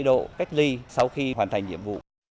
ngay sau khi hoàn thành nhiệm vụ